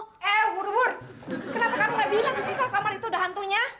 eh bun kenapa kamu nggak bilang sih kalau kamar itu ada hantunya